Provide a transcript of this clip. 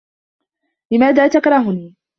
لماذا تكرهني؟